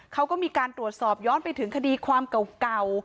เขาก็มีการตรวจสอบย้อนไปถึงคดีความเก่า